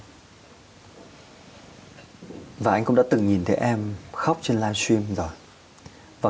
a và anh cũng đã từng nhìn thấy em khóc trên livestream rồi và